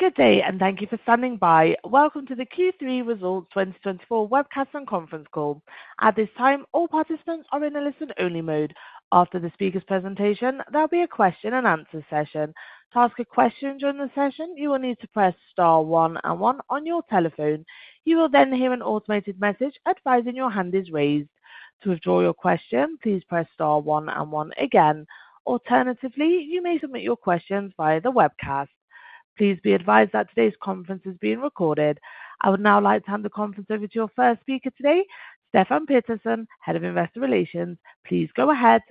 Good day, and thank you for standing by. Welcome to the Q3 Results 2024 webcast, and conference call. At this time, all participants are in a listen-only mode. After the speaker's presentation, there'll be a question-and-answer session. To ask a question during the session, you will need to press star one and one on your telephone. You will then hear an automated message advising your hand is raised. To withdraw your question, please press star one and one again. Alternatively, you may submit your questions via the webcast. Please be advised that today's conference is being recorded. I would now like to hand the conference over to your first speaker today, Stefan Pettersson, Head of Investor Relations. Please go ahead.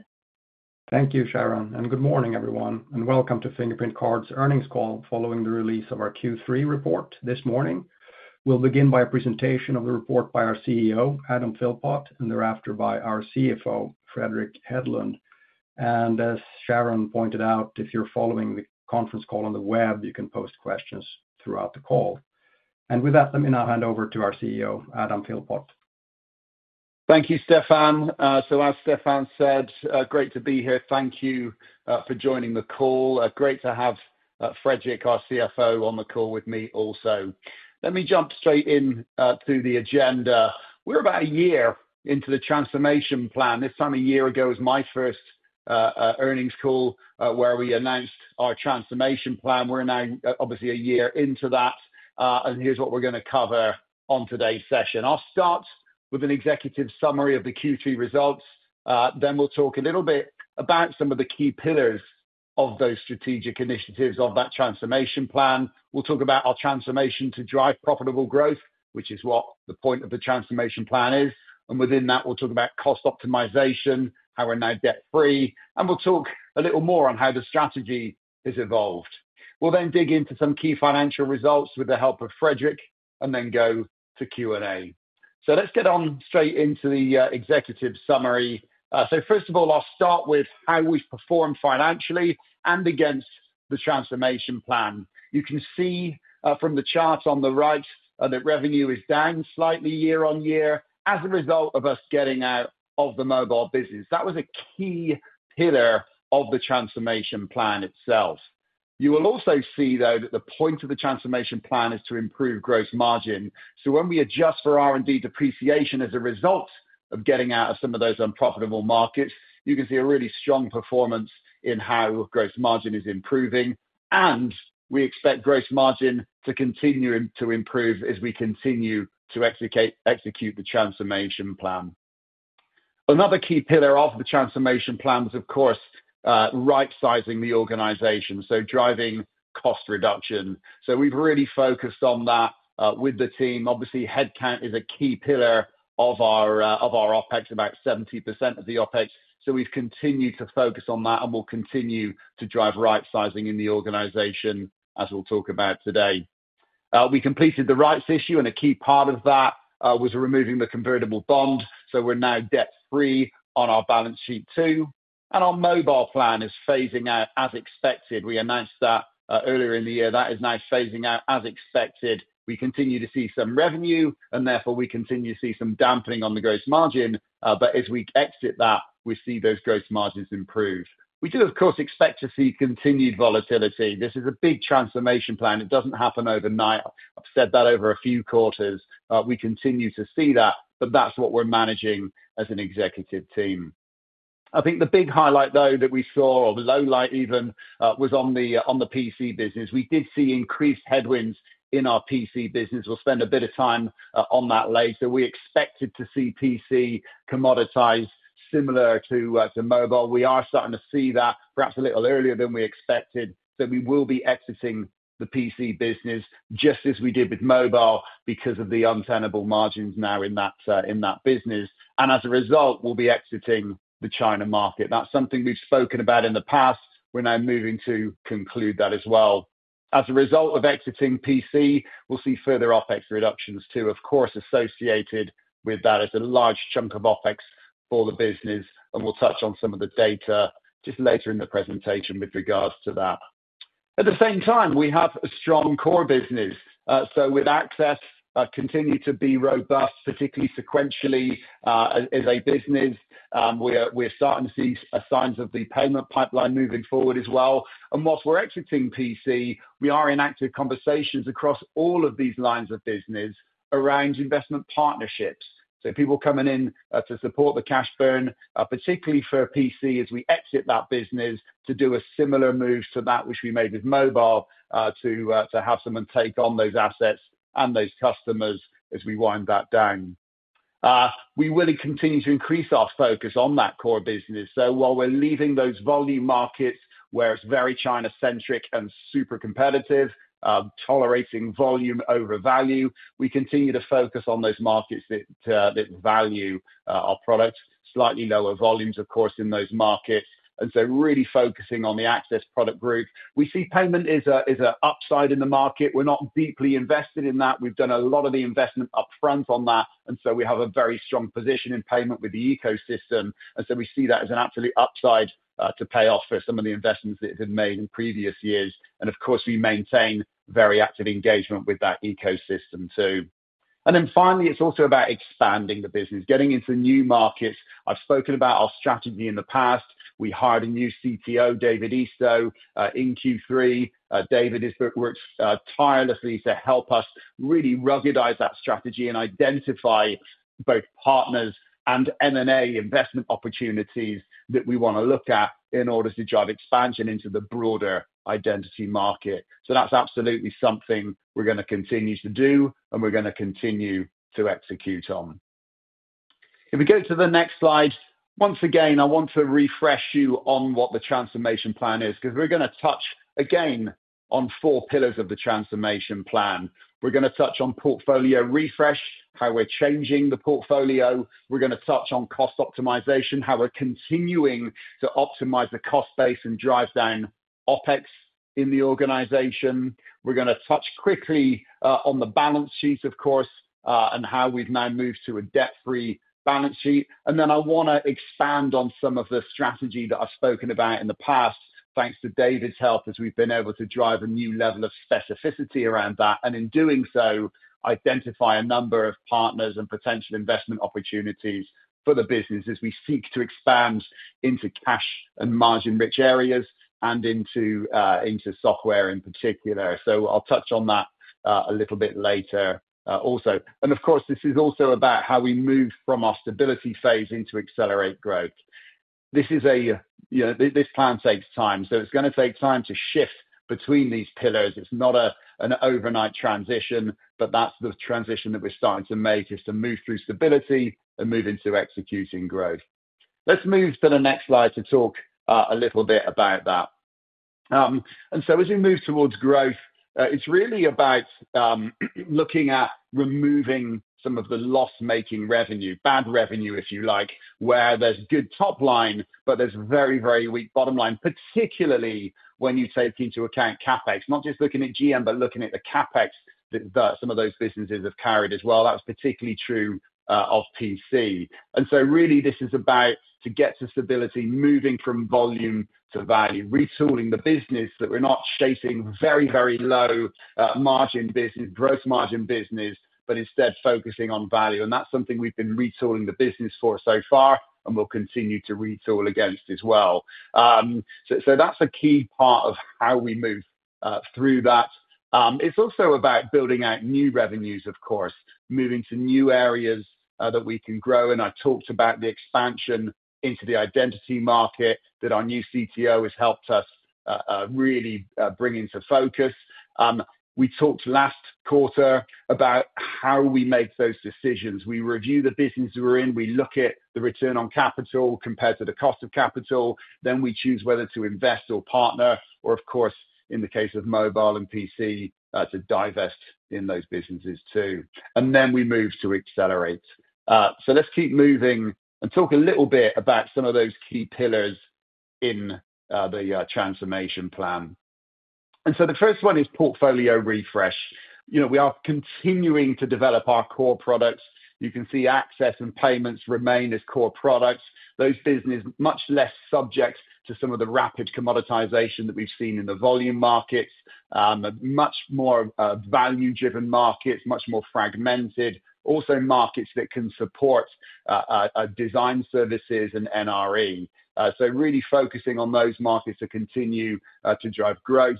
Thank you, Sharon, and good morning, everyone, and welcome to Fingerprint Cards' earnings call following the release of our Q3 report this morning. We'll begin by a presentation of the report by our CEO, Adam Philpott, and thereafter by our CFO, Fredrik Hedlund. And as Sharon pointed out, if you're following the conference call on the web, you can post questions throughout the call. And with that, let me now hand over to our CEO, Adam Philpott. Thank you, Stefan. So, as Stefan said, great to be here. Thank you for joining the call. Great to have Fredrik, our CFO, on the call with me also. Let me jump straight into the agenda. We're about a year into the transformation plan. This time, a year ago was my first earnings call where we announced our transformation plan. We're now obviously a year into that, and here's what we're going to cover on today's session. I'll start with an executive summary of the Q3 results. Then we'll talk a little bit about some of the key pillars of those strategic initiatives of that transformation plan. We'll talk about our transformation to drive profitable growth, which is what the point of the transformation plan is. And within that, we'll talk about cost optimization, how we're now debt-free, and we'll talk a little more on how the strategy has evolved. We'll then dig into some key financial results with the help of Fredrik, and then go to Q&A. So, let's get on straight into the executive summary. So, first of all, I'll start with how we've performed financially and against the transformation plan. You can see from the chart on the right that revenue is down slightly year on year as a result of us getting out of the mobile business. That was a key pillar of the transformation plan itself. You will also see, though, that the point of the transformation plan is to improve gross margin. So, when we adjust for R&D depreciation as a result of getting out of some of those unprofitable markets, you can see a really strong performance in how gross margin is improving, and we expect gross margin to continue to improve as we continue to execute the transformation plan. Another key pillar of the transformation plan was, of course, right-sizing the organization, so driving cost reduction, so we've really focused on that with the team. Obviously, headcount is a key pillar of our OpEx, about 70% of the OpEx, so we've continued to focus on that, and we'll continue to drive right-sizing in the organization, as we'll talk about today. We completed the rights issue, and a key part of that was removing the convertible bond, so we're now debt-free on our balance sheet too, and our mobile plan is phasing out as expected. We announced that earlier in the year. That is now phasing out as expected. We continue to see some revenue, and therefore we continue to see some dampening on the gross margin, but as we exit that, we see those gross margins improve. We do, of course, expect to see continued volatility. This is a big transformation plan. It doesn't happen overnight. I've said that over a few quarters. We continue to see that, but that's what we're managing as an executive team. I think the big highlight, though, that we saw, or the low light even, was on the PC business. We did see increased headwinds in our PC business. We'll spend a bit of time on that later. We expected to see PC commoditized similar to mobile. We are starting to see that perhaps a little earlier than we expected, so we will be exiting the PC business just as we did with mobile because of the untenable margins now in that business, and as a result, we'll be exiting the China market. That's something we've spoken about in the past. We're now moving to conclude that as well. As a result of exiting PC, we'll see further OpEx reductions too, of course, associated with that as a large chunk of OpEx for the business, and we'll touch on some of the data just later in the presentation with regards to that. At the same time, we have a strong core business, so with access continue to be robust, particularly sequentially as a business. We're starting to see signs of the payment pipeline moving forward as well, and while we're exiting PC, we are in active conversations across all of these lines of business around investment partnerships, so people coming in to support the cash burn, particularly for PC, as we exit that business to do a similar move to that which we made with mobile to have someone take on those assets and those customers as we wind that down. We will continue to increase our focus on that core business, so while we're leaving those volume markets where it's very China-centric and super competitive, tolerating volume over value, we continue to focus on those markets that value our product. Slightly lower volumes, of course, in those markets, and so really focusing on the access product group. We see payment is an upside in the market. We're not deeply invested in that. We've done a lot of the investment upfront on that, and so we have a very strong position in payment with the ecosystem, and so we see that as an absolute upside to pay off for some of the investments that have been made in previous years. And of course, we maintain very active engagement with that ecosystem too, and then finally it's also about expanding the business, getting into new markets. I've spoken about our strategy in the past. We hired a new CTO, David Eastaugh, in Q3. David has worked tirelessly to help us really ruggedize that strategy and identify both partners, and M&A investment opportunities that we want to look at in order to drive expansion into the broader identity market. So, that's absolutely something we're going to continue to do, and we're going to continue to execute on. If we go to the next slide, once again, I want to refresh you on what the transformation plan is because we're going to touch again on four pillars of the transformation plan. We're going to touch on portfolio refresh, how we're changing the portfolio. We're going to touch on cost optimization, how we're continuing to optimize the cost base, and drive down OpEx in the organization. We're going to touch quickly on the balance sheet, of course, and how we've now moved to a debt-free balance sheet, and then I want to expand on some of the strategy that I've spoken about in the past, thanks to David's help, as we've been able to drive a new level of specificity around that, and in doing so, identify a number of partners and potential investment opportunities for the business as we seek to expand into cash and margin-rich areas and into software in particular, so I'll touch on that a little bit later also, and of course, this is also about how we move from our stability phase into accelerate growth. This plan takes time, so it's going to take time to shift between these pillars. It's not an overnight transition, but that's the transition that we're starting to make: to move through stability and move into executing growth. Let's move to the next slide to talk a little bit about that, and so as we move towards growth, it's really about looking at removing some of the loss-making revenue, bad revenue, if you like, where there's good top line, but there's very, very weak bottom line, particularly when you take into account CapEx, not just looking at GM, but looking at the CapEx that some of those businesses have carried as well. That's particularly true of PC, and so really, this is about to get to stability, moving from volume to value, retooling the business that we're not chasing very, very low margin business, gross margin business, but instead focusing on value. And that's something we've been retooling the business for so far and will continue to retool against as well. So, that's a key part of how we move through that. It's also about building out new revenues, of course, moving to new areas that we can grow. And I talked about the expansion into the identity market that our new CTO has helped us really bring into focus. We talked last quarter about how we make those decisions. We review the business we're in. We look at the return on capital compared to the cost of capital. Then we choose whether to invest or partner, or of course, in the case of mobile and PC, to divest in those businesses too. And then we move to accelerate. So, let's keep moving and talk a little bit about some of those key pillars in the transformation plan. The first one is portfolio refresh. We are continuing to develop our core products. You can see access and payments remain as core products. Those businesses are much less subject to some of the rapid commoditization that we've seen in the volume markets, much more value-driven markets, much more fragmented, also markets that can support design services and NRE. We are really focusing on those markets to continue to drive growth.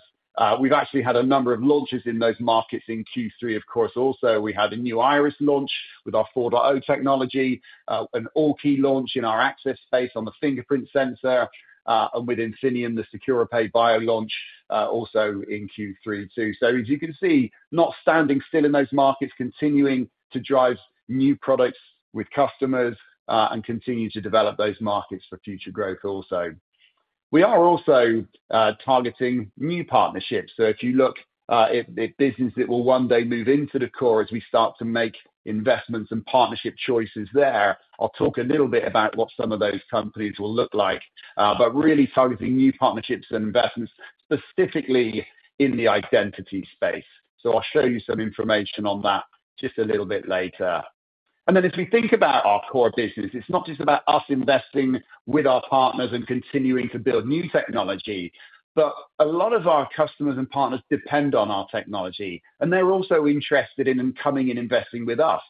We've actually had a number of launches in those markets in Q3, of course. Also, we had a new iris launch with our 4.0 technology, an Allkey launch in our access space on the fingerprint sensor, and with Infineon, the SECORA Pay Bio launch also in Q3 too. As you can see, not standing still in those markets, continuing to drive new products with customers and continue to develop those markets for future growth also. We are also targeting new partnerships, so if you look at businesses that will one day move into the core as we start to make investments and partnership choices there, I'll talk a little bit about what some of those companies will look like, but really targeting new partnerships and investments specifically in the identity space, so I'll show you some information on that just a little bit later, and then if we think about our core business, it's not just about us investing with our partners and continuing to build new technology, but a lot of our customers and partners depend on our technology, and they're also interested in coming and investing with us.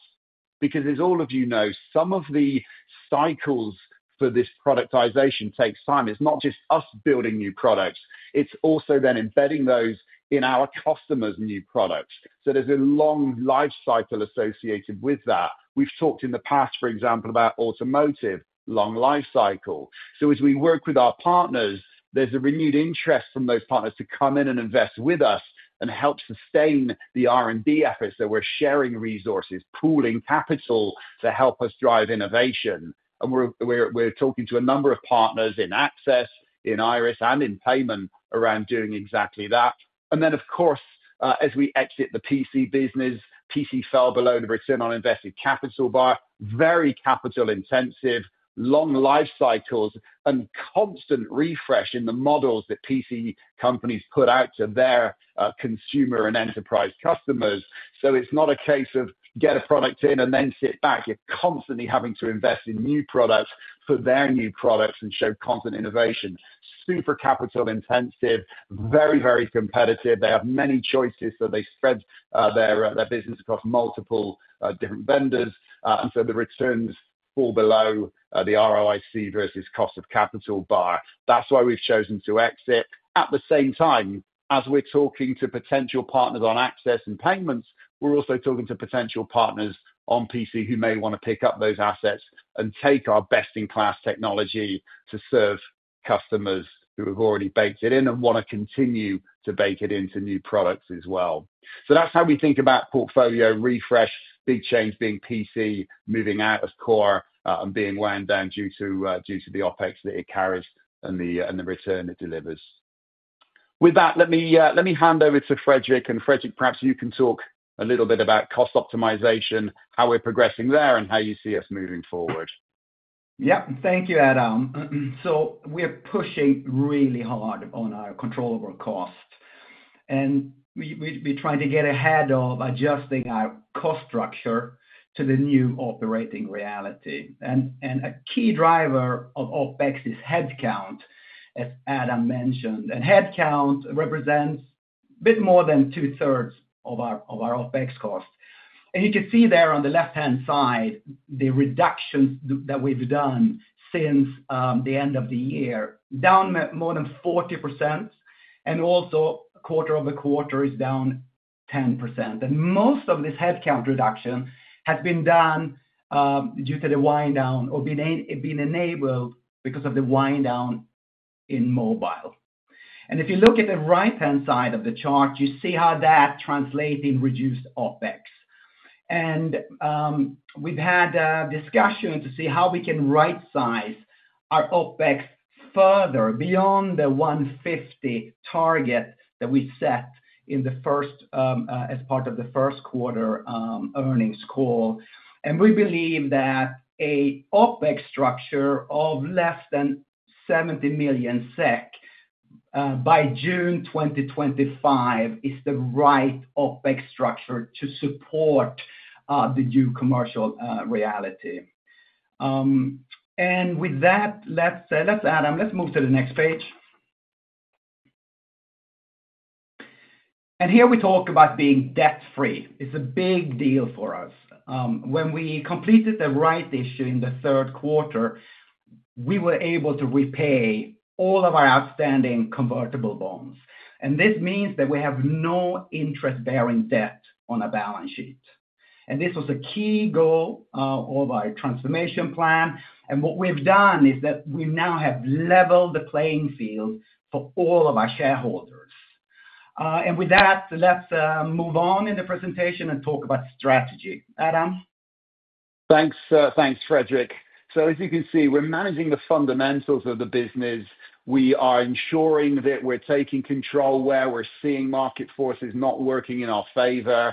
Because, as all of you know, some of the cycles for this productization take time. It's not just us building new products. It's also then embedding those in our customers' new products. So, there's a long life cycle associated with that. We've talked in the past, for example, about automotive, long life cycle. So, as we work with our partners, there's a renewed interest from those partners to come in and invest with us and help sustain the R&D efforts. So, we're sharing resources, pooling capital to help us drive innovation. And we're talking to a number of partners in access, in Iris, and in payment around doing exactly that. And then, of course, as we exit the PC business, PC fell below the return on invested capital bar, very capital-intensive, long life cycles, and constant refresh in the models that PC companies put out to their consumer and enterprise customers. So, it's not a case of get a product in and then sit back. You're constantly having to invest in new products for their new products and show constant innovation. Super capital-intensive, very, very competitive. They have many choices, so they spread their business across multiple different vendors. And so, the returns fall below the ROIC versus cost of capital bar. That's why we've chosen to exit. At the same time, as we're talking to potential partners on access and payments, we're also talking to potential partners on PC who may want to pick up those assets and take our best-in-class technology to serve customers who have already baked it in and want to continue to bake it into new products as well. So, that's how we think about portfolio refresh, big change being PC moving out of core and being wound down due to the OpEx that it carries and the return it delivers. With that, let me hand over to Fredrik. Fredrik, perhaps you can talk a little bit about cost optimization, how we're progressing there, and how you see us moving forward. Yeah, thank you, Adam. We're pushing really hard on our control over cost. We're trying to get ahead of adjusting our cost structure to the new operating reality. A key driver of OpEx is headcount, as Adam mentioned. Headcount represents a bit more than two-thirds of our OpEx cost. You can see there on the left-hand side the reductions that we've done since the end of the year, down more than 40%. Also, quarter over quarter is down 10%. Most of this headcount reduction has been done due to the wind down or been enabled because of the wind down in mobile. And if you look at the right-hand side of the chart, you see how that translates in reduced OpEx. And we've had a discussion to see how we can right-size our OpEx further beyond the 150 target that we set as part of the first quarter earnings call. And we believe that an OpEx structure of less than 70 million SEK by June 2025 is the right OpEx structure to support the new commercial reality. And with that, let's move to the next page. And here we talk about being debt-free. It's a big deal for us. When we completed the rights issue in the third quarter, we were able to repay all of our outstanding convertible bonds. And this means that we have no interest-bearing debt on our balance sheet. And this was a key goal of our transformation plan. What we've done is that we now have leveled the playing field for all of our shareholders. With that, let's move on in the presentation and talk about strategy. Adam? Thanks, Fredrik. As you can see, we're managing the fundamentals of the business. We are ensuring that we're taking control where we're seeing market forces not working in our favor.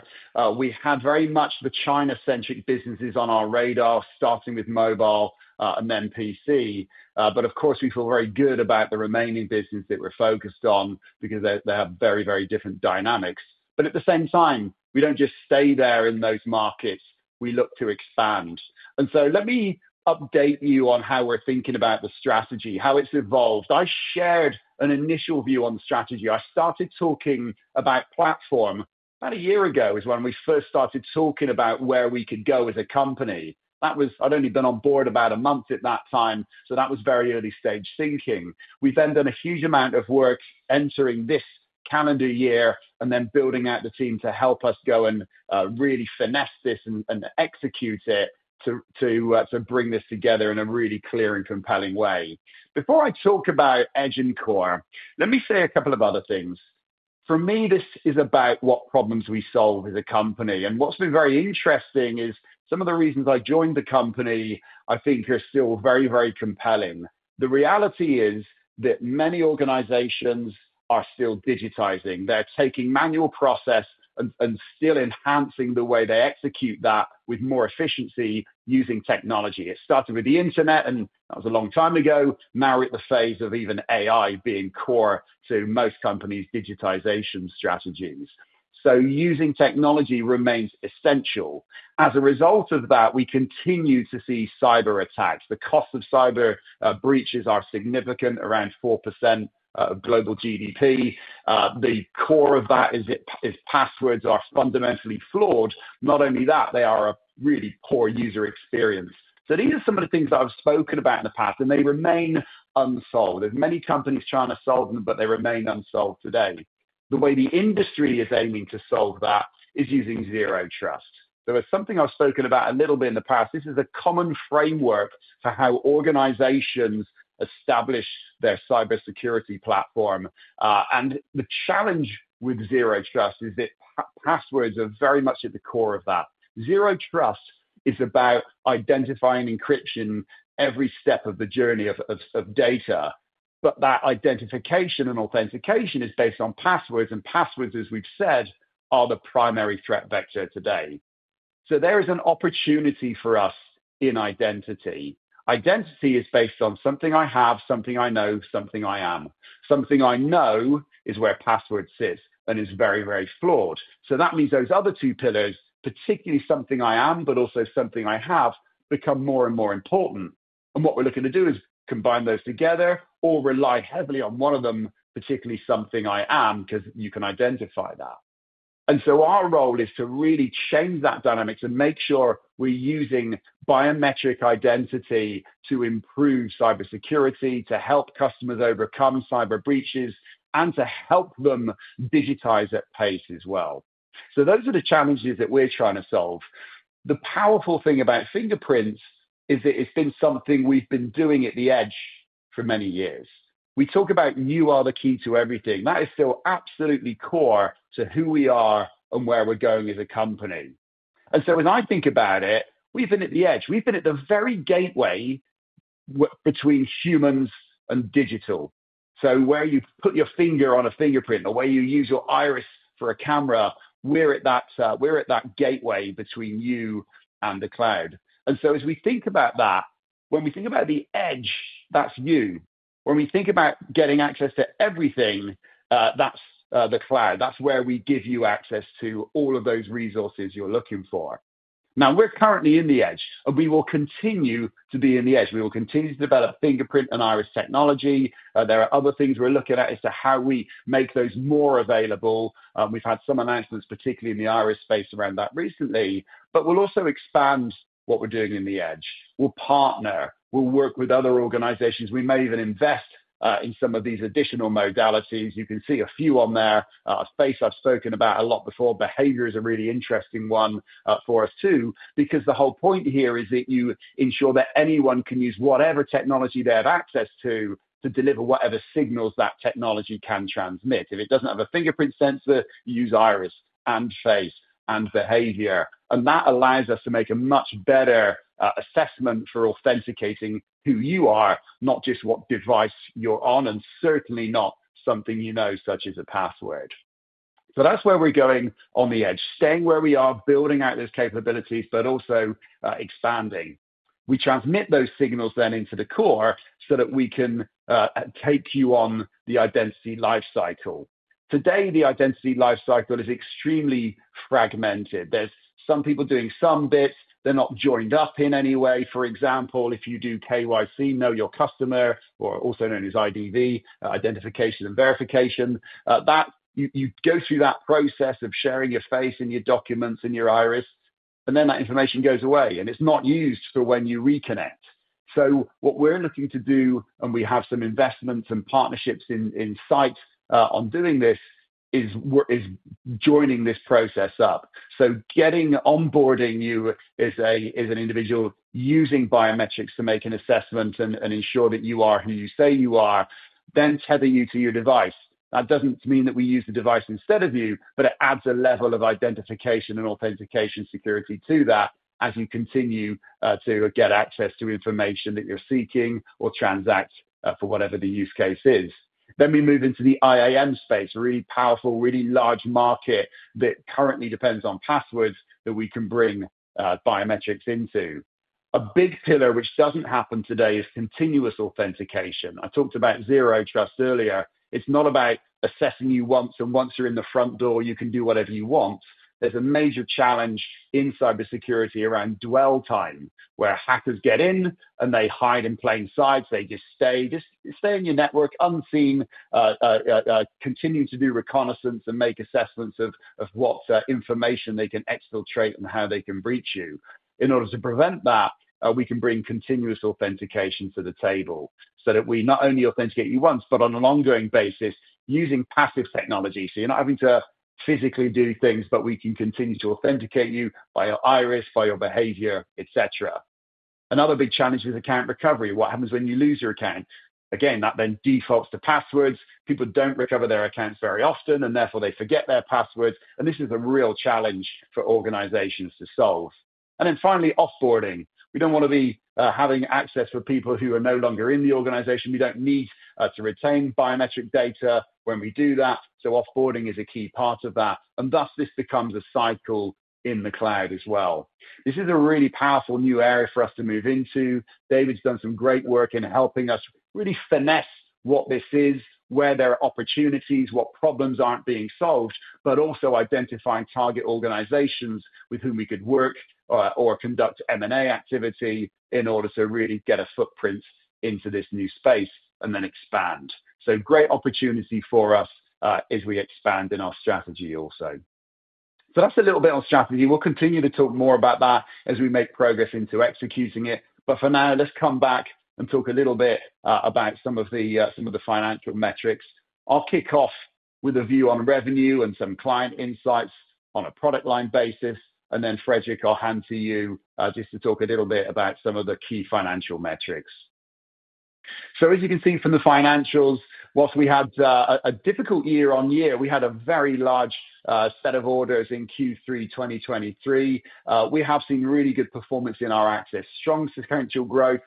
We have very much the China-centric businesses on our radar, starting with mobile and then PC. Of course, we feel very good about the remaining business that we're focused on because they have very, very different dynamics. At the same time, we don't just stay there in those markets. We look to expand. So, let me update you on how we're thinking about the strategy, how it's evolved. I shared an initial view on the strategy. I started talking about platform about a year ago. That is when we first started talking about where we could go as a company. I'd only been on board about a month at that time. So, that was very early-stage thinking. We've then done a huge amount of work entering this calendar year and then building out the team to help us go and really finesse this and execute it to bring this together in a really clear and compelling way. Before I talk about Edge and Core, let me say a couple of other things. For me, this is about what problems we solve as a company. And what's been very interesting is some of the reasons I joined the company. I think they are still very, very compelling. The reality is that many organizations are still digitizing. They're taking manual process and still enhancing the way they execute that with more efficiency using technology. It started with the internet, and that was a long time ago, now we're at the phase of even AI being core to most companies' digitization strategies. So, using technology remains essential. As a result of that, we continue to see cyberattacks. The cost of cyber breaches are significant, around 4% of global GDP. The core of that is passwords are fundamentally flawed. Not only that, they are a really poor user experience. So, these are some of the things that I've spoken about in the past, and they remain unsolved. There's many companies trying to solve them, but they remain unsolved today. The way the industry is aiming to solve that is using zero trust. There was something I've spoken about a little bit in the past. This is a common framework for how organizations establish their cybersecurity platform. And the challenge with zero trust is that passwords are very much at the core of that. Zero trust is about identifying encryption every step of the journey of data. But that identification and authentication is based on passwords. And passwords, as we've said, are the primary threat vector today. So, there is an opportunity for us in identity. Identity is based on something I have, something I know, something I am. Something I know is where passwords sit and is very, very flawed. So, that means those other two pillars, particularly something I am, but also something I have, become more and more important. And what we're looking to do is combine those together or rely heavily on one of them, particularly something I am, because you can identify that. And so, our role is to really change that dynamic to make sure we're using biometric identity to improve cybersecurity, to help customers overcome cyber breaches, and to help them digitize at pace as well. So, those are the challenges that we're trying to solve. The powerful thing about fingerprints is that it's been something we've been doing at the edge for many years. We talk about you are the key to everything. That is still absolutely core to who we are and where we're going as a company. And so, as I think about it, we've been at the edge. We've been at the very gateway between humans and digital. So, where you put your finger on a fingerprint, the way you use your iris for a camera, we're at that gateway between you and the cloud. As we think about that, when we think about the edge, that's you. When we think about getting access to everything, that's the cloud. That's where we give you access to all of those resources you're looking for. Now, we're currently in the edge, and we will continue to be in the edge. We will continue to develop fingerprint and iris technology. There are other things we're looking at as to how we make those more available. We've had some announcements, particularly in the iris space around that recently. We'll also expand what we're doing in the edge. We'll partner. We'll work with other organizations. We may even invest in some of these additional modalities. You can see a few on there. Space, I've spoken about a lot before. Behavior is a really interesting one for us too, because the whole point here is that you ensure that anyone can use whatever technology they have access to deliver whatever signals that technology can transmit. If it doesn't have a fingerprint sensor, you use iris and FaCe and behavior. And that allows us to make a much better assessment for authenticating who you are, not just what device you're on, and certainly not something you know, such as a password. So, that's where we're going on the edge, staying where we are, building out those capabilities, but also expanding. We transmit those signals then into the core so that we can take you on the identity lifecycle. Today, the identity lifecycle is extremely fragmented. There's some people doing some bits. They're not joined up in any way. For example, if you do KYC, Know Your Customer, or also known as IDV, Identification and Verification, you go through that process of sharing your face and your documents and your iris, and then that information goes away, and it's not used for when you reconnect. So, what we're looking to do, and we have some investments and partnerships in sight on doing this, is joining this process up, so getting onboarding you as an individual using biometrics to make an assessment and ensure that you are who you say you are, then tether you to your device. That doesn't mean that we use the device instead of you, but it adds a level of identification and authentication security to that as you continue to get access to information that you're seeking or transact for whatever the use case is. Then we move into the IAM space, a really powerful, really large market that currently depends on passwords that we can bring biometrics into. A big pillar which doesn't happen today is continuous authentication. I talked about zero trust earlier. It's not about assessing you once, and once you're in the front door, you can do whatever you want. There's a major challenge in cybersecurity around dwell time, where hackers get in and they hide in plain sight. They just stay in your network, unseen, continue to do reconnaissance and make assessments of what information they can exfiltrate and how they can breach you. In order to prevent that, we can bring continuous authentication to the table so that we not only authenticate you once, but on an ongoing basis using passive technology. So, you're not having to physically do things, but we can continue to authenticate you by your iris, by your behavior, etc. Another big challenge is account recovery. What happens when you lose your account? Again, that then defaults to passwords. People don't recover their accounts very often, and therefore they forget their passwords. And this is a real challenge for organizations to solve. And then finally, offboarding. We don't want to be having access for people who are no longer in the organization. We don't need to retain biometric data when we do that. So, offboarding is a key part of that. And thus, this becomes a cycle in the cloud as well. This is a really powerful new area for us to move into. David's done some great work in helping us really finesse what this is, where there are opportunities, what problems aren't being solved, but also identifying target organizations with whom we could work or conduct M&A activity in order to really get a footprint into this new space and then expand. So, great opportunity for us as we expand in our strategy also. So, that's a little bit on strategy. We'll continue to talk more about that as we make progress into executing it. But for now, let's come back and talk a little bit about some of the financial metrics. I'll kick off with a view on revenue and some client insights on a product line basis. And then, Fredrik, I'll hand to you just to talk a little bit about some of the key financial metrics. As you can see from the financials, while we had a difficult year on year, we had a very large set of orders in Q3 2023. We have seen really good performance in our access, strong sequential growth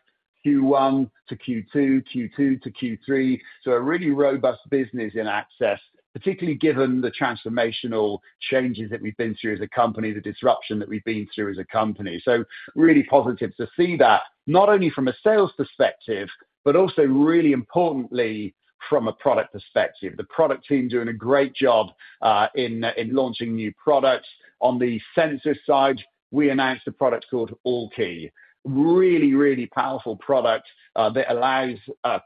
Q1 to Q2, Q2 to Q3. So, a really robust business in access, particularly given the transformational changes that we've been through as a company, the disruption that we've been through as a company. So, really positive to see that, not only from a sales perspective, but also really importantly from a product perspective. The product team doing a great job in launching new products. On the sensors side, we announced a product called AllKey. Really, really powerful product that allows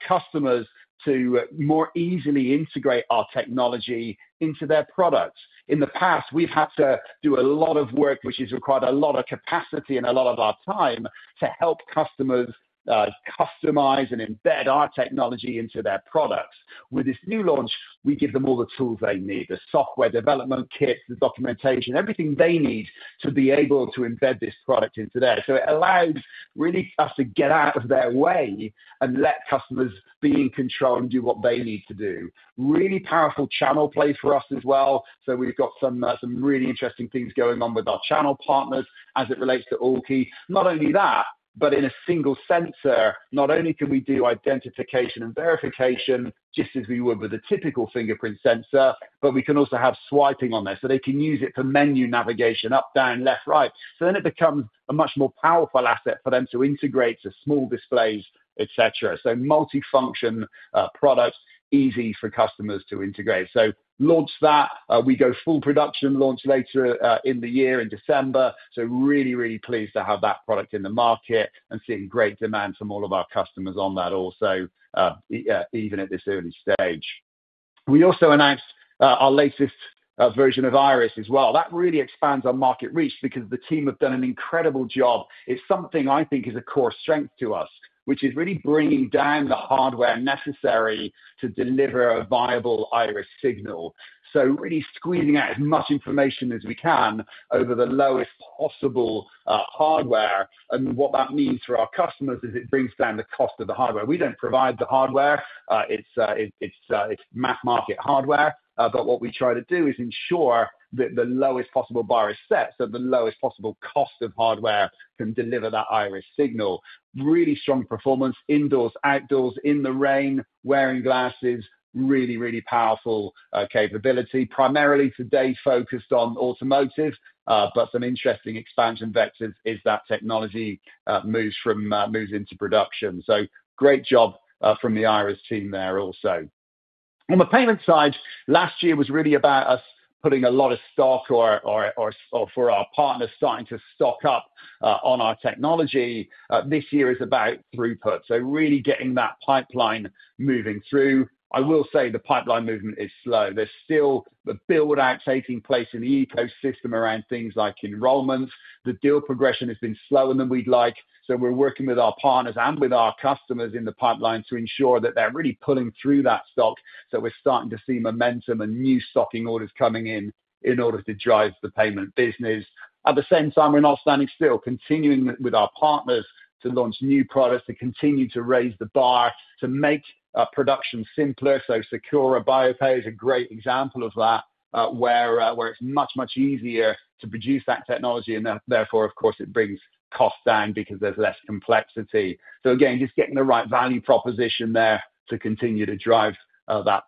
customers to more easily integrate our technology into their products. In the past, we've had to do a lot of work, which has required a lot of capacity and a lot of our time to help customers customize and embed our technology into their products. With this new launch, we give them all the tools they need: the software development kits, the documentation, everything they need to be able to embed this product into their. So, it allows really us to get out of their way and let customers be in control and do what they need to do. Really powerful channel play for us as well. So, we've got some really interesting things going on with our channel partners as it relates to Allkey. Not only that, but in a single sensor, not only can we do identification and verification just as we would with a typical fingerprint sensor, but we can also have swiping on there so they can use it for menu navigation, up, down, left, right. So, then it becomes a much more powerful asset for them to integrate to small displays, etc. So, multifunction products, easy for customers to integrate. So, launch that. We go full production launch later in the year in December. So, really, really pleased to have that product in the market and seeing great demand from all of our customers on that also, even at this early stage. We also announced our latest version of iris as well. That really expands our market reach because the team have done an incredible job. It's something I think is a core strength to us, which is really bringing down the hardware necessary to deliver a viable iris signal. So, really squeezing out as much information as we can over the lowest possible hardware, and what that means for our customers is it brings down the cost of the hardware. We don't provide the hardware. It's mass market hardware. But what we try to do is ensure that the lowest possible bar is set so the lowest possible cost of hardware can deliver that iris signal, really strong performance indoors, outdoors, in the rain, wearing glasses, really, really powerful capability. Primarily today focused on automotive, but some interesting expansion vectors as that technology moves into production, so great job from the iris team there also. On the payment side, last year was really about us putting a lot of stocking for our partners starting to stock up on our technology. This year is about throughput. So, really getting that pipeline moving through. I will say the pipeline movement is slow. There's still the build-out taking place in the ecosystem around things like enrollments. The deal progression has been slower than we'd like. So, we're working with our partners and with our customers in the pipeline to ensure that they're really pulling through that stock. So, we're starting to see momentum and new stocking orders coming in in order to drive the payment business. At the same time, we're not standing still, continuing with our partners to launch new products, to continue to raise the bar, to make production simpler. SECORA Pay Bio is a great example of that, where it's much, much easier to produce that technology. And therefore, of course, it brings costs down because there's less complexity. So, again, just getting the right value proposition there to continue to drive that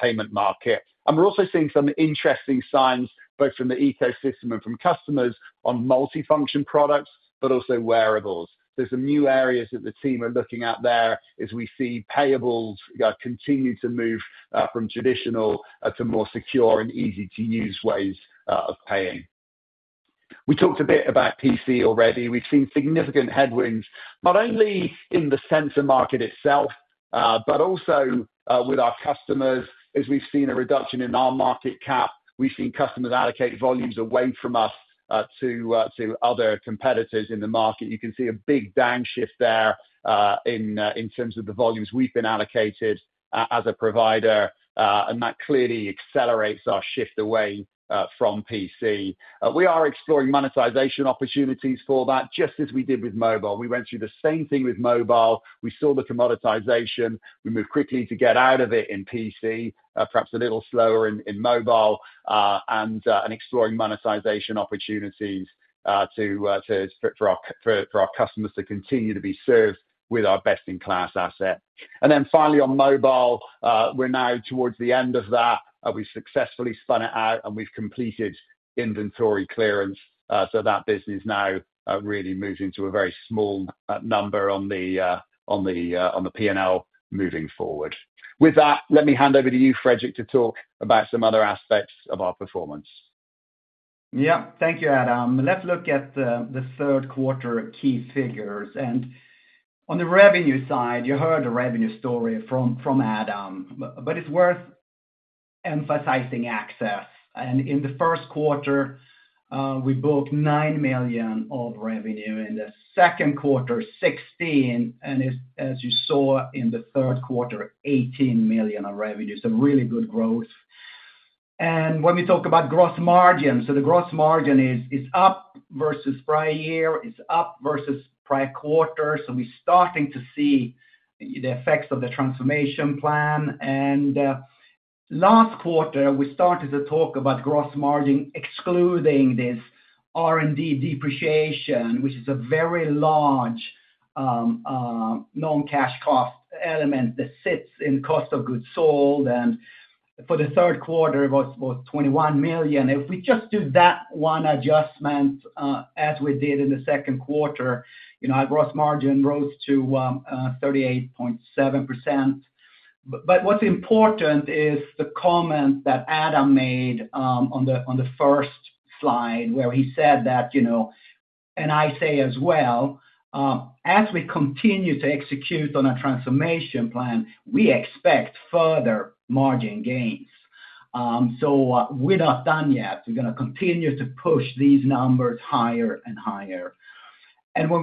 payment market. And we're also seeing some interesting signs, both from the ecosystem, and from customers on multifunction products, but also wearables. There's some new areas that the team are looking at there as we see payments continue to move from traditional to more secure and easy-to-use ways of paying. We talked a bit about PC already. We've seen significant headwinds, not only in the sensor market itself, but also with our customers. As we've seen a reduction in our market cap, we've seen customers allocate volumes away from us to other competitors in the market. You can see a big downshift there in terms of the volumes we've been allocated as a provider, and that clearly accelerates our shift away from PC. We are exploring monetization opportunities for that, just as we did with mobile. We went through the same thing with mobile. We saw the commoditization. We moved quickly to get out of it in PC, perhaps a little slower in mobile, and exploring monetization opportunities for our customers to continue to be served with our best-in-class asset, and then finally, on mobile, we're now towards the end of that. We've successfully spun it out, and we've completed inventory clearance, so that business now really moves into a very small number on the P&L moving forward. With that, let me hand over to you, Fredrik, to talk about some other aspects of our performance. Yep. Thank you, Adam. Let's look at the third quarter key figures, and on the revenue side, you heard the revenue story from Adam, but it's worth emphasizing access, and in the first quarter, we booked nine million of revenue. In the second quarter, 16. And as you saw in the third quarter, 18 million of revenue. So, really good growth, and when we talk about gross margin, so the gross margin is up versus prior year. It's up versus prior quarter. So, we're starting to see the effects of the transformation plan, and last quarter, we started to talk about gross margin excluding this R&D depreciation, which is a very large non-cash cost element that sits in cost of goods sold, and for the third quarter, it was 21 million. If we just do that one adjustment as we did in the second quarter, our gross margin rose to 38.7%. But what's important is the comment that Adam made on the first slide where he said that, and I say as well, as we continue to execute on our transformation plan, we expect further margin gains. So, we're not done yet. We're going to continue to push these numbers higher and higher. And when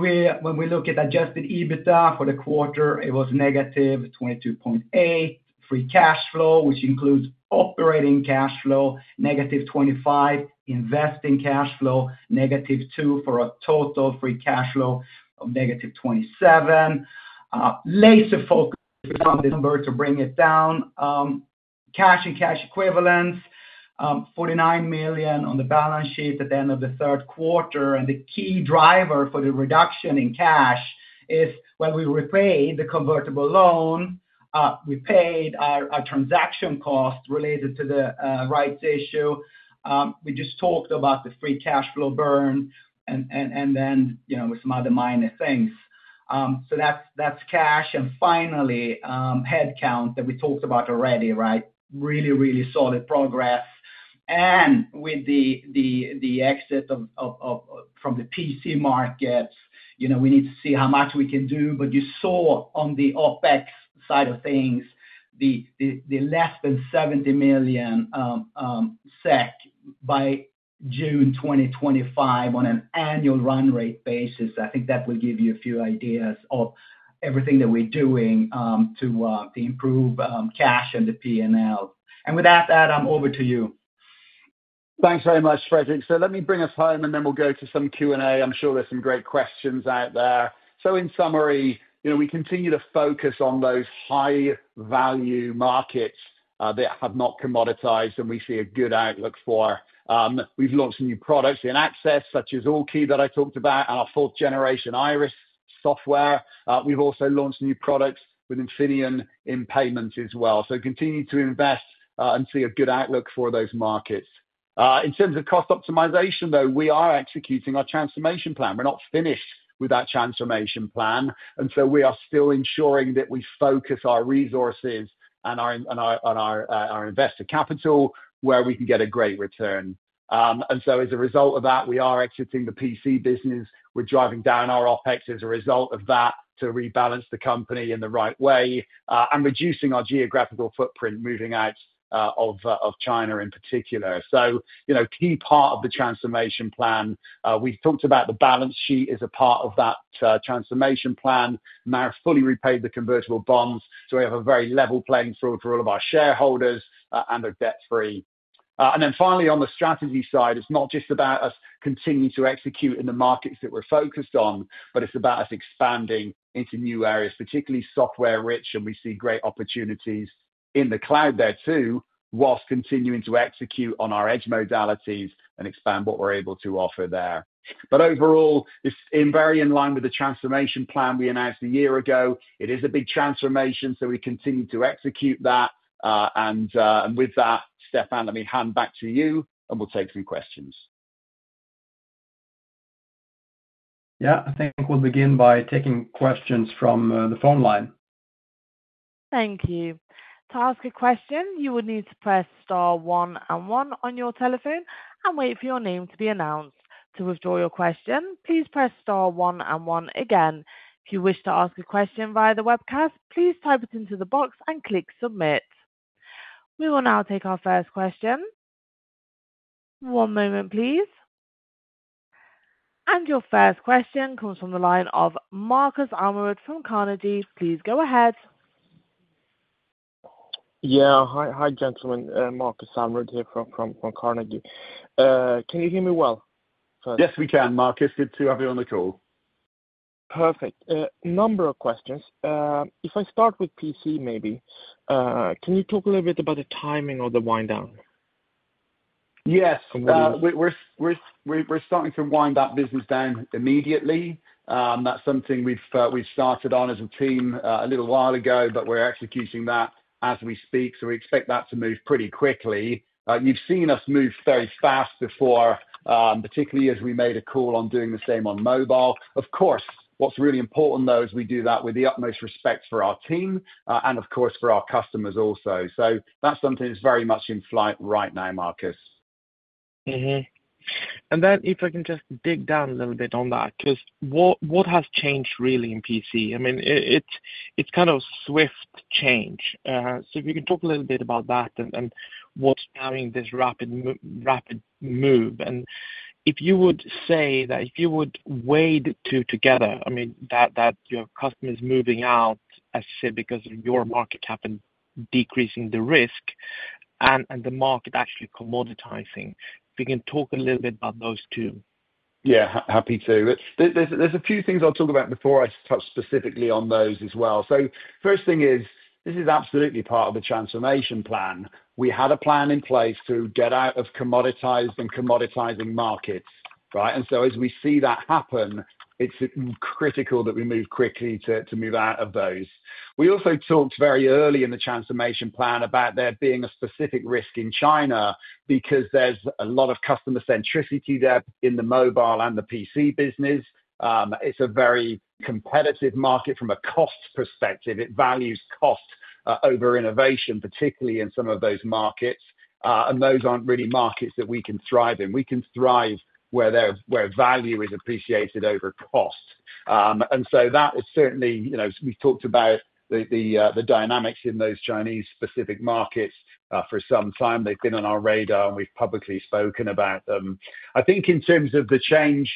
we look at adjusted EBITDA for the quarter, it was -22.8 million SEK. Free cash flow, which includes operating cash flow -25 million SEK. Investing cash flow, negative two million SEK for a total free cash flow of -27 million SEK. Laser focus on the number to bring it down. Cash and cash equivalents, 49 million SEK on the balance sheet at the end of the third quarter. And the key driver for the reduction in cash is, when we repay the convertible loan, we paid our transaction cost related to the rights issue. We just talked about the free cash flow burn and then with some other minor things. So, that's cash. And finally, headcount that we talked about already, right? Really, really solid progress. And with the exit from the PC market, we need to see how much we can do. But you saw on the OpEx side of things, less than 70 million SEK by June 2025 on an annual run rate basis. I think that will give you a few ideas of everything that we're doing to improve cash and the P&L. And with that, Adam, over to you. Thanks very much, Fredrik. So, let me bring us home, and then we'll go to some Q&A. I'm sure there's some great questions out there. So, in summary, we continue to focus on those high-value markets that have not commoditized, and we see a good outlook for. We've launched new products in access, such as Allkey that I talked about and our fourth-generation iris software. We've also launched new products with Infineon in payments as well. So, continue to invest and see a good outlook for those markets. In terms of cost optimization, though, we are executing our transformation plan. We're not finished with that transformation plan. And so, we are still ensuring that we focus our resources and our investor capital where we can get a great return. And so, as a result of that, we are exiting the PC business. We're driving down our OpEx as a result of that to rebalance the company in the right way and reducing our geographical footprint moving out of China in particular. So, key part of the transformation plan. We've talked about the balance sheet as a part of that transformation plan. We've fully repaid the convertible bonds. We have a very level playing field for all of our shareholders and are debt-free, and then finally, on the strategy side, it's not just about us continuing to execute in the markets that we're focused on, but it's about us expanding into new areas, particularly software-rich, and we see great opportunities in the cloud there too, while continuing to execute on our edge modalities and expand what we're able to offer there, but overall, it's very in line with the transformation plan we announced a year ago. It is a big transformation, so we continue to execute that, and with that, Stefan, let me hand back to you, and we'll take some questions. Yeah, I think we'll begin by taking questions from the phone line. Thank you. To ask a question, you would need to press star one and one on your telephone and wait for your name to be announced. To withdraw your question, please press star one and one again. If you wish to ask a question via the webcast, please type it into the box and click submit. We will now take our first question. One moment, please, and your first question comes from the line of Markus Almerud from Carnegie. Please go ahead. Yeah. Hi, gentlemen. Markus Almerud here from Carnegie. Can you hear me well? Yes, we can. Markus, good to have you on the call. Perfect. Number of questions. If I start with PC, maybe, can you talk a little bit about the timing of the wind down? Yes. We're starting to wind that business down immediately. That's something we've started on as a team a little while ago, but we're executing that as we speak. So, we expect that to move pretty quickly. You've seen us move very fast before, particularly as we made a call on doing the same on mobile. Of course, what's really important, though, is we do that with the utmost respect for our team and, of course, for our customers also. So, that's something that's very much in flight right now, Markus. And then if I can just dig down a little bit on that, because what has changed really in PC? I mean, it's kind of swift change. So, if you can talk a little bit about that and what's driving this rapid move. And if you would say that you would weigh the two together, I mean, that your customer is moving out. I'd say because of your market cap and decreasing the risk and the market actually commoditizing. If you can talk a little bit about those two. Yeah, happy to. There's a few things I'll talk about before I touch specifically on those as well. So, first thing is, this is absolutely part of the transformation plan. We had a plan in place to get out of commoditized and commoditizing markets, right? And so, as we see that happen, it's critical that we move quickly to move out of those. We also talked very early in the transformation plan about there being a specific risk in China because there's a lot of customer centricity there in the mobile and the PC business. It's a very competitive market from a cost perspective. It values cost over innovation, particularly in some of those markets, and those aren't really markets that we can thrive in. We can thrive where value is appreciated over cost, and so that is certainly we've talked about the dynamics in those Chinese specific markets for some time. They've been on our radar, and we've publicly spoken about them. I think in terms of the change,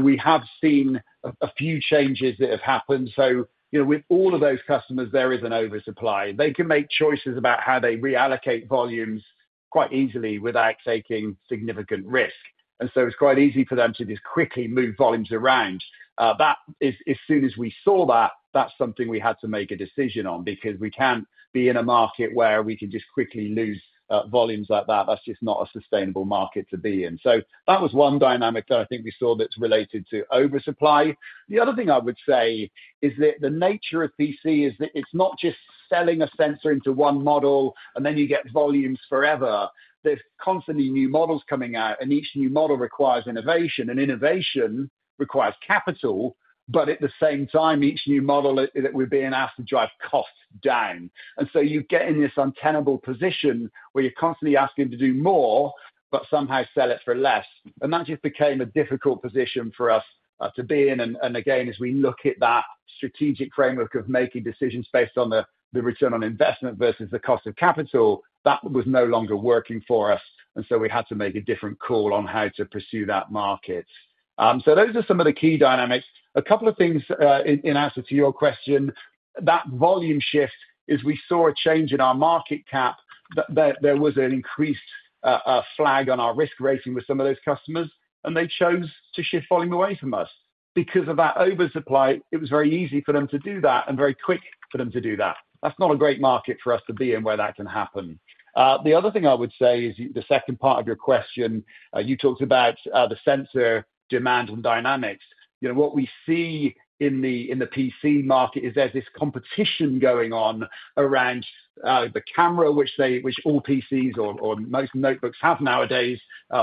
we have seen a few changes that have happened, so with all of those customers, there is an oversupply. They can make choices about how they reallocate volumes quite easily without taking significant risk, and so it's quite easy for them to just quickly move volumes around. As soon as we saw that, that's something we had to make a decision on because we can't be in a market where we can just quickly lose volumes like that. That's just not a sustainable market to be in. So, that was one dynamic that I think we saw that's related to oversupply. The other thing I would say is that the nature of PC is that it's not just selling a sensor into one model and then you get volumes forever. There's constantly new models coming out, and each new model requires innovation. And innovation requires capital, but at the same time, each new model that we're being asked to drive costs down. And so, you get in this untenable position where you're constantly asking to do more but somehow sell it for less. And that just became a difficult position for us to be in. And again, as we look at that strategic framework of making decisions based on the return on investment versus the cost of capital, that was no longer working for us. And so, we had to make a different call on how to pursue that market. So, those are some of the key dynamics. A couple of things in answer to your question. That volume shift is, we saw a change in our market cap. There was an increased flag on our risk rating with some of those customers, and they chose to shift volume away from us. Because of that oversupply, it was very easy for them to do that and very quick for them to do that. That's not a great market for us to be in where that can happen. The other thing I would say is the second part of your question. You talked about the sensor demand and dynamics. What we see in the PC market is there's this competition going on around the camera, which all PCs or most notebooks have nowadays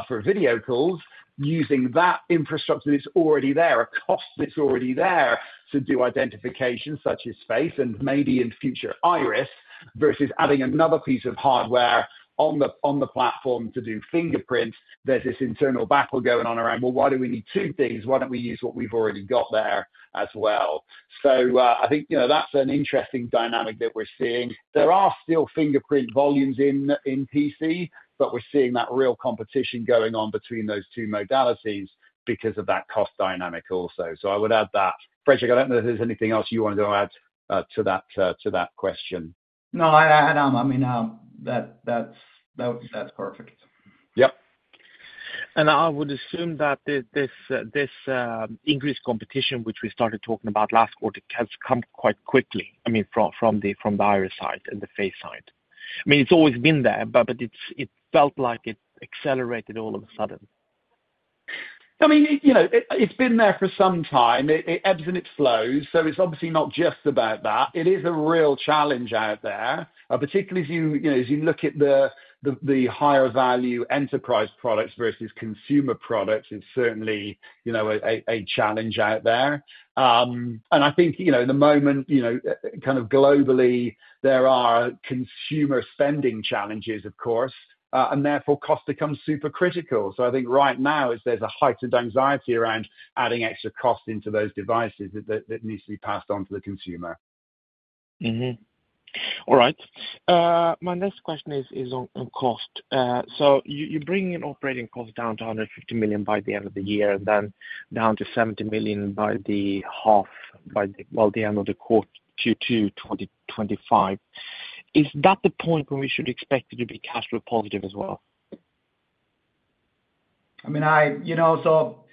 for video calls. Using that infrastructure that's already there, a cost that's already there to do identification such as face and maybe in future iris versus adding another piece of hardware on the platform to do fingerprint, there's this internal battle going on around, well, why do we need two things? Why don't we use what we've already got there as well? So, I think that's an interesting dynamic that we're seeing. There are still fingerprint volumes in PC, but we're seeing that real competition going on between those two modalities because of that cost dynamic also. So, I would add that. Fredrik, I don't know if there's anything else you want to add to that question. No, Adam, I mean, that's perfect. Yep. And I would assume that this increased competition, which we started talking about last quarter, has come quite quickly, I mean, from the iris side and the face side. I mean, it's always been there, but it felt like it accelerated all of a sudden. I mean, it's been there for some time. It ebbs and it flows. So, it's obviously not just about that. It is a real challenge out there, particularly as you look at the higher value enterprise products versus consumer products is certainly a challenge out there. And I think in the moment, kind of globally, there are consumer spending challenges, of course, and therefore cost becomes super critical. So, I think right now, there's a heightened anxiety around adding extra cost into those devices that needs to be passed on to the consumer. All right. My next question is on cost. So, you're bringing operating cost down to 150 million SEK by the end of the year and then down to 70 million SEK by the half, by the end of the quarter Q2 2025. Is that the point when we should expect it to be cash flow positive as well? I mean, so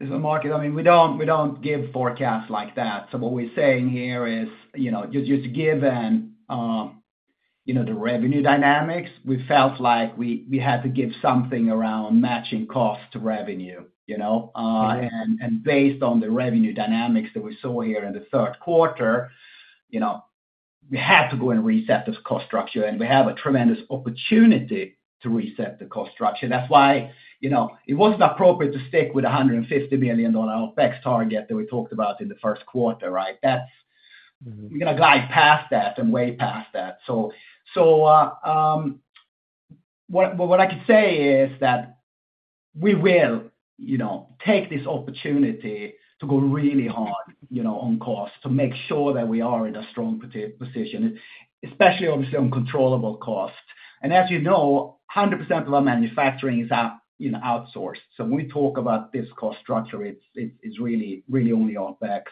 as a market, I mean, we don't give forecasts like that. So, what we're saying here is just given the revenue dynamics, we felt like we had to give something around matching cost to revenue. And based on the revenue dynamics that we saw here in the third quarter, we had to go and reset this cost structure, and we have a tremendous opportunity to reset the cost structure. That's why it wasn't appropriate to stick with the 150 million SEK OPEX target that we talked about in the first quarter, right? We're going to glide past that and way past that. So, what I could say is that we will take this opportunity to go really hard on cost to make sure that we are in a strong position, especially obviously on controllable cost. And as you know, 100% of our manufacturing is outsourced. So, when we talk about this cost structure, it's really only OPEX.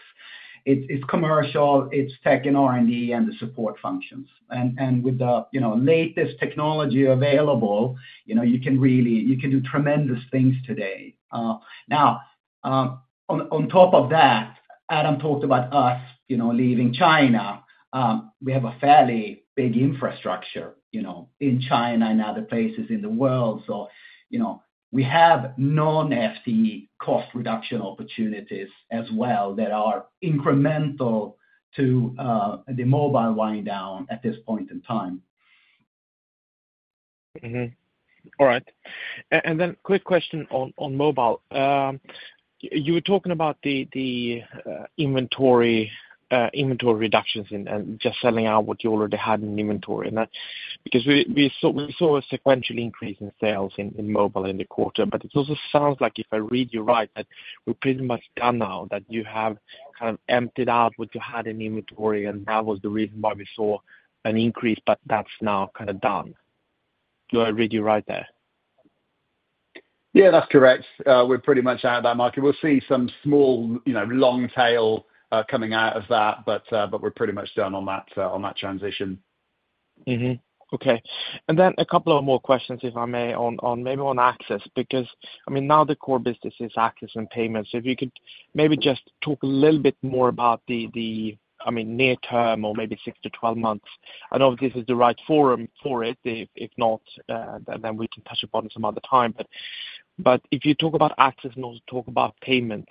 It's commercial, it's tech and R&D, and the support functions. And with the latest technology available, you can do tremendous things today. Now, on top of that, Adam talked about us leaving China. We have a fairly big infrastructure in China and other places in the world. So, we have non-FTE cost reduction opportunities as well that are incremental to the mobile wind down at this point in time. All right. And then quick question on mobile. You were talking about the inventory reductions and just selling out what you already had in inventory. Because we saw a sequential increase in sales in mobile in the quarter, but it also sounds like if I read you right, that we're pretty much done now, that you have kind of emptied out what you had in inventory, and that was the reason why we saw an increase, but that's now kind of done. Do I read you right there? Yeah, that's correct. We're pretty much out of that market. We'll see some small long tail coming out of that, but we're pretty much done on that transition. Okay. And then a couple of more questions, if I may, on maybe on access, because I mean, now the core business is access and payments. If you could maybe just talk a little bit more about the, I mean, near term or maybe six to 12 months. I don't know if this is the right forum for it. If not, then we can touch upon it some other time, but if you talk about access and also talk about payments,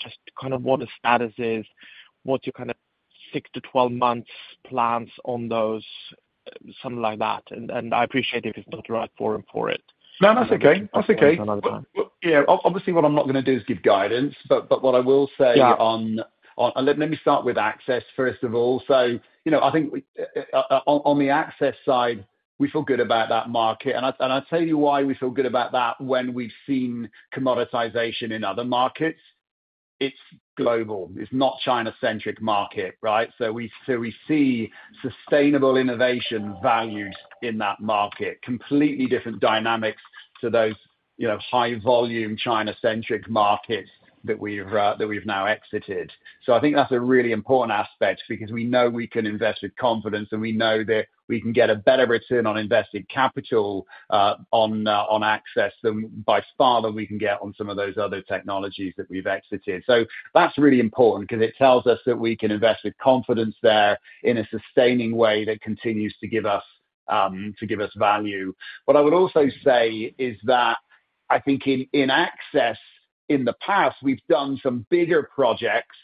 just kind of what the status is, what your kind of six to 12 months plans on those, something like that, and I appreciate if it's not the right forum for it. No, that's okay. That's okay. Yeah. Obviously, what I'm not going to do is give guidance, but what I will say on, let me start with access, first of all, so I think on the access side, we feel good about that market, and I'll tell you why we feel good about that. When we've seen commoditization in other markets, it's global. It's not China-centric market, right? So, we see sustainable innovation values in that market, completely different dynamics to those high-volume China-centric markets that we've now exited. So, I think that's a really important aspect because we know we can invest with confidence, and we know that we can get a better return on invested capital on access than by far than we can get on some of those other technologies that we've exited. So, that's really important because it tells us that we can invest with confidence there in a sustaining way that continues to give us value. What I would also say is that I think in access, in the past, we've done some bigger projects,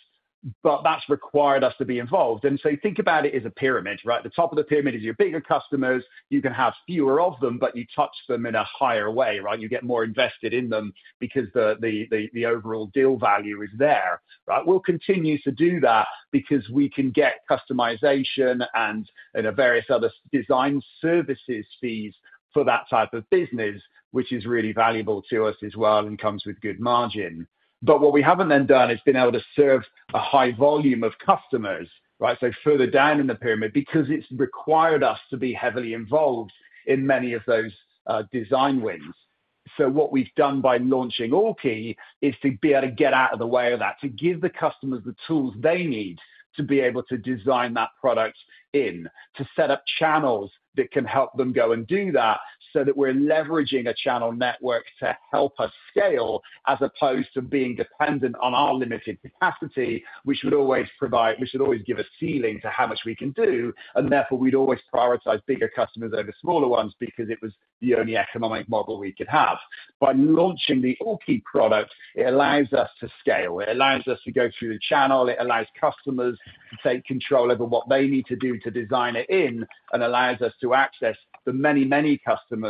but that's required us to be involved. And so, think about it as a pyramid, right? The top of the pyramid is your bigger customers. You can have fewer of them, but you touch them in a higher way, right? You get more invested in them because the overall deal value is there, right? We'll continue to do that because we can get customization and various other design services fees for that type of business, which is really valuable to us as well and comes with good margin. But what we haven't then done is been able to serve a high volume of customers, right? So, further down in the pyramid, because it's required us to be heavily involved in many of those design wins. So, what we've done by launching Orki is to be able to get out of the way of that, to give the customers the tools they need to be able to design that product in, to set up channels that can help them go and do that so that we're leveraging a channel network to help us scale as opposed to being dependent on our limited capacity, which would always provide, which would always give us ceiling to how much we can do. And therefore, we'd always prioritize bigger customers over smaller ones because it was the only economic model we could have. By launching the Orki product, it allows us to scale. It allows us to go through the channel. It allows customers to take control over what they need to do to design it in and allows us to access the many, many customers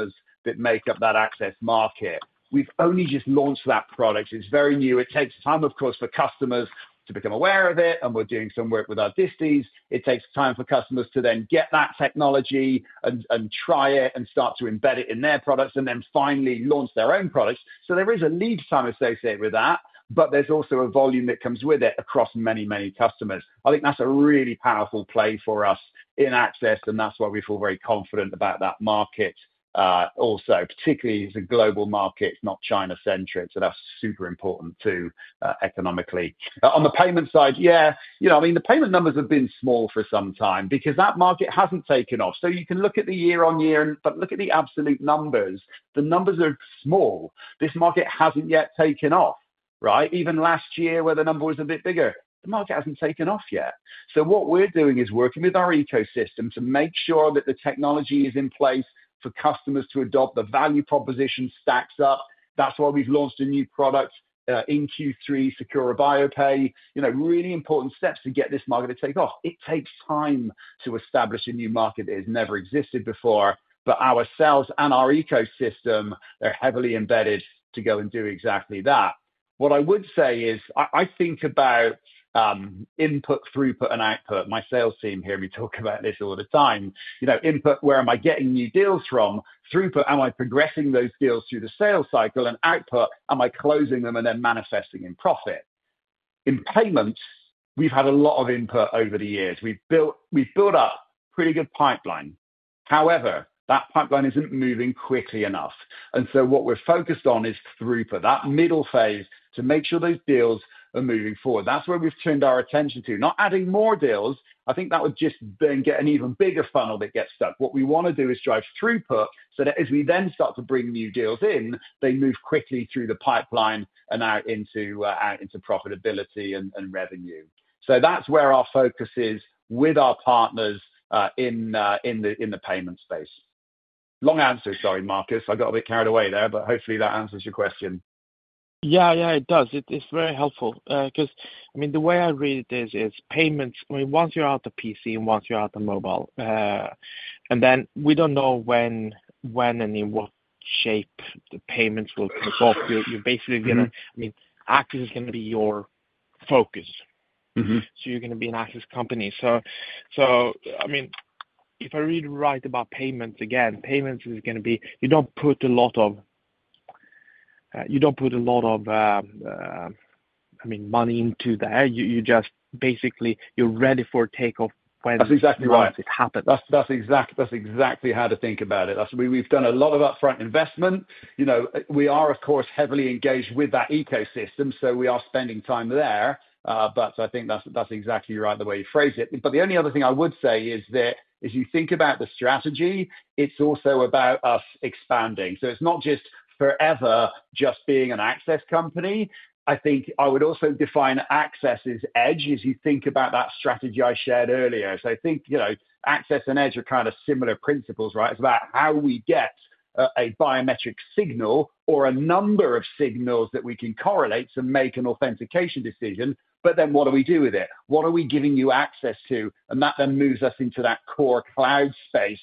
that make up that access market. We've only just launched that product. It's very new. It takes time, of course, for customers to become aware of it, and we're doing some work with our disties. It takes time for customers to then get that technology and try it and start to embed it in their products and then finally launch their own products. So, there is a lead time associated with that, but there's also a volume that comes with it across many, many customers. I think that's a really powerful play for us in access, and that's why we feel very confident about that market also, particularly as a global market, not China-centric. So, that's super important too economically. On the payment side, yeah. I mean, the payment numbers have been small for some time because that market hasn't taken off. So, you can look at the year-on-year, but look at the absolute numbers. The numbers are small. This market hasn't yet taken off, right? Even last year, where the number was a bit bigger, the market hasn't taken off yet. So, what we're doing is working with our ecosystem to make sure that the technology is in place for customers to adopt the value proposition stacks up. That's why we've launched a new product in Q3, SECORA Pay Bio, really important steps to get this market to take off. It takes time to establish a new market that has never existed before, but ourselves and our ecosystem, they're heavily embedded to go and do exactly that. What I would say is I think about input, throughput, and output. My sales team hear me talk about this all the time. Input, where am I getting new deals from? Throughput, am I progressing those deals through the sales cycle? And output, am I closing them and then manifesting in profit? In payments, we've had a lot of input over the years. We've built up a pretty good pipeline. However, that pipeline isn't moving quickly enough. And so, what we're focused on is throughput, that middle phase to make sure those deals are moving forward. That's where we've turned our attention to. Not adding more deals. I think that would just then get an even bigger funnel that gets stuck. What we want to do is drive throughput so that as we then start to bring new deals in, they move quickly through the pipeline and out into profitability and revenue. So, that's where our focus is with our partners in the payment space. Long answer, sorry, Markus. I got a bit carried away there, but hopefully that answers your question. Yeah, yeah, it does. It's very helpful because, I mean, the way I read it is payments. I mean, once you're out of PC and once you're out of mobile, and then we don't know when and in what shape the payments will kick off. You're basically going to, I mean, access is going to be your focus. So, you're going to be an access company. So, I mean, if I read right about payments again, payments is going to be, you don't put a lot of, I mean, money into there. You just basically, you're ready for takeoff when it happens. That's exactly right. That's exactly how to think about it. We've done a lot of upfront investment. We are, of course, heavily engaged with that ecosystem, so we are spending time there. But I think that's exactly right the way you phrase it. But the only other thing I would say is that as you think about the strategy, it's also about us expanding. So, it's not just forever just being an access company. I think I would also define access as edge as you think about that strategy I shared earlier. So, I think access and edge are kind of similar principles, right? It's about how we get a biometric signal or a number of signals that we can correlate to make an authentication decision, but then what do we do with it? What are we giving you access to? And that then moves us into that core cloud space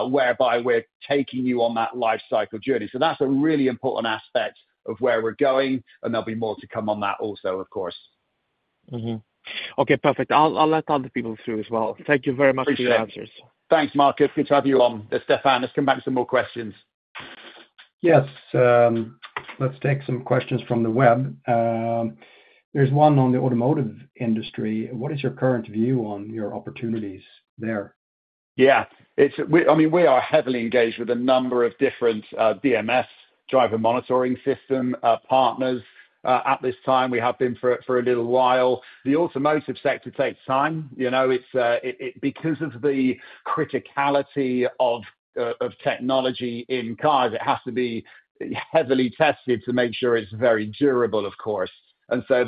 whereby we're taking you on that lifecycle journey. So, that's a really important aspect of where we're going, and there'll be more to come on that also, of course. Okay, perfect. I'll let other people through as well. Thank you very much for your answers. Thanks, Markus. Good to have you on. Stefan, let's come back to some more questions. Yes. Let's take some questions from the web. There's one on the automotive industry. What is your current view on your opportunities there? Yeah. I mean, we are heavily engaged with a number of different DMS, driver monitoring system partners at this time. We have been for a little while. The automotive sector takes time. Because of the criticality of technology in cars, it has to be heavily tested to make sure it's very durable, of course. And so,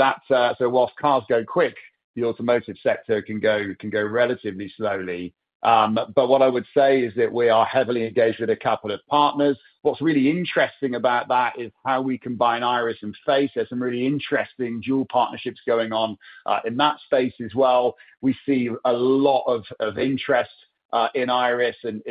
whilst cars go quick, the automotive sector can go relatively slowly. What I would say is that we are heavily engaged with a couple of partners. What's really interesting about that is how we combine and iris FACE. There's some really interesting dual partnerships going on in that space as well. We see a lot of interest in iris, and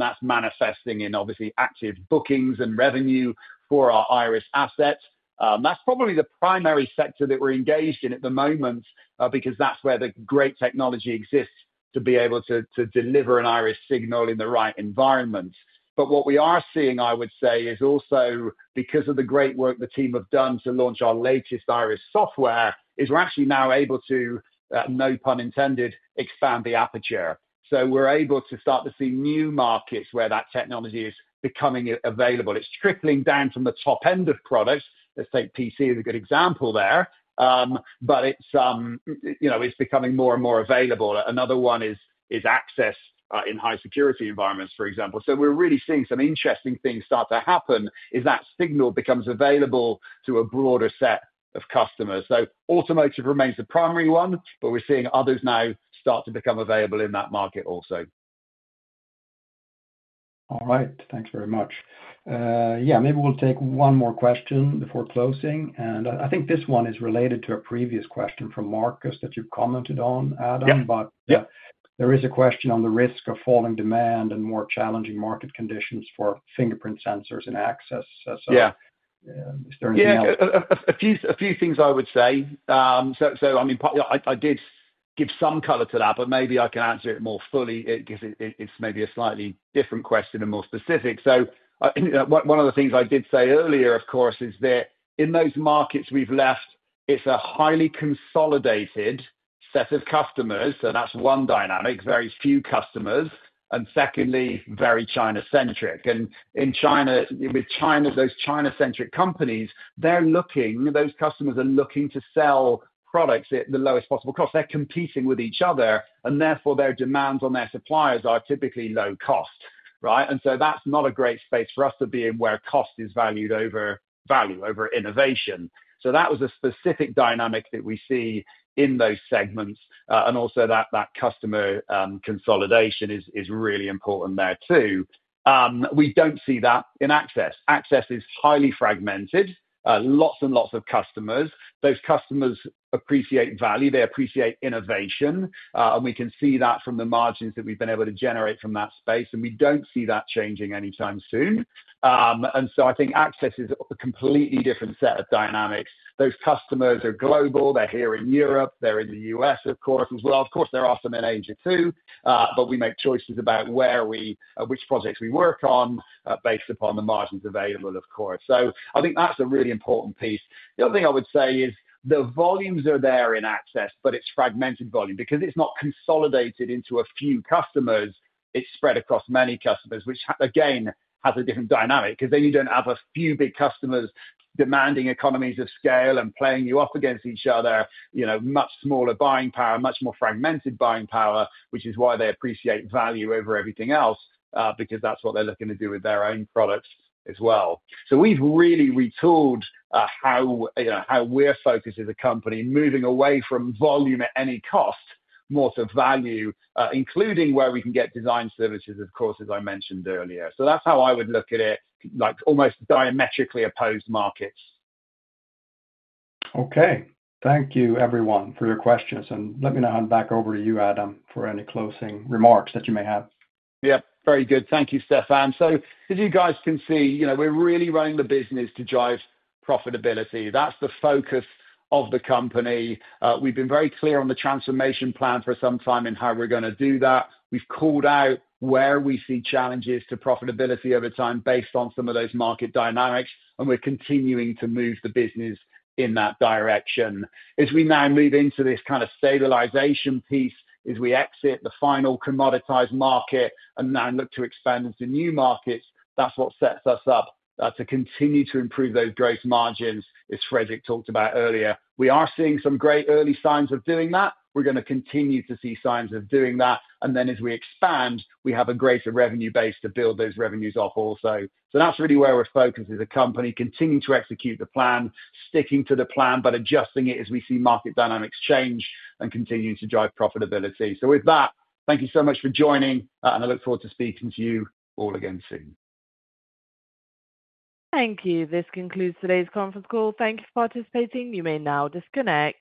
that's manifesting in obviously active bookings and revenue for our iris assets. That's probably the primary sector that we're engaged in at the moment because that's where the great technology exists to be able to deliver an iris signal in the right environment. What we are seeing, I would say, is also because of the great work the team have done to launch our latest iris software, is we're actually now able to, no pun intended, expand the aperture. We're able to start to see new markets where that technology is becoming available. It's trickling down from the top end of products. Let's take PC as a good example there, but it's becoming more and more available. Another one is access in high-security environments, for example. So, we're really seeing some interesting things start to happen as that signal becomes available to a broader set of customers. So, automotive remains the primary one, but we're seeing others now start to become available in that market also. All right. Thanks very much. Yeah, maybe we'll take one more question before closing, and I think this one is related to a previous question from Markus that you commented on, Adam, but there is a question on the risk of falling demand and more challenging market conditions for fingerprint sensors and access. So, is there anything else? Yeah, a few things I would say. So, I mean, I did give some color to that, but maybe I can answer it more fully because it's maybe a slightly different question and more specific. So, one of the things I did say earlier, of course, is that in those markets we've left, it's a highly consolidated set of customers. So, that's one dynamic, very few customers. And secondly, very China-centric. And in China, with those China-centric companies, those customers are looking to sell products at the lowest possible cost. They're competing with each other, and therefore their demands on their suppliers are typically low cost, right? And so, that's not a great space for us to be in where cost is valued over value, over innovation. So, that was a specific dynamic that we see in those segments. And also, that customer consolidation is really important there too. We don't see that in access. Access is highly fragmented, lots and lots of customers. Those customers appreciate value. They appreciate innovation, and we can see that from the margins that we've been able to generate from that space, and we don't see that changing anytime soon. And so, I think access is a completely different set of dynamics. Those customers are global. They're here in Europe. They're in the U.S., of course, as well. Of course, there are some in Asia too, but we make choices about which projects we work on based upon the margins available, of course. So, I think that's a really important piece. The other thing I would say is the volumes are there in access, but it's fragmented volume because it's not consolidated into a few customers. It's spread across many customers, which again has a different dynamic because then you don't have a few big customers demanding economies of scale and playing you up against each other, much smaller buying power, much more fragmented buying power, which is why they appreciate value over everything else because that's what they're looking to do with their own products as well. So, we've really retooled how we're focused as a company, moving away from volume at any cost, more to value, including where we can get design services, of course, as I mentioned earlier. So, that's how I would look at it, almost diametrically opposed markets. Okay. Thank you, everyone, for your questions. And let me now hand back over to you, Adam, for any closing remarks that you may have. Yeah. Very good. Thank you, Stefan. As you guys can see, we're really running the business to drive profitability. That's the focus of the company. We've been very clear on the transformation plan for some time and how we're going to do that. We've called out where we see challenges to profitability over time based on some of those market dynamics, and we're continuing to move the business in that direction. As we now move into this kind of stabilization piece, as we exit the final commoditized market and now look to expand into new markets, that's what sets us up to continue to improve those gross margins, as Fredrik talked about earlier. We are seeing some great early signs of doing that. We're going to continue to see signs of doing that. Then, as we expand, we have a greater revenue base to build those revenues off also. That's really where we're focused as a company, continuing to execute the plan, sticking to the plan, but adjusting it as we see market dynamics change and continuing to drive profitability. With that, thank you so much for joining, and I look forward to speaking to you all again soon. Thank you. This concludes today's conference call. Thank you for participating. You may now disconnect.